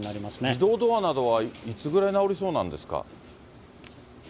自動ドアなどはいつぐらいで直りそうなんですか。